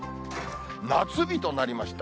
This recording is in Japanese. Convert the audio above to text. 夏日となりました。